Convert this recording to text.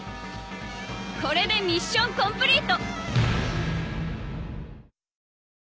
これでミッションコンプリート！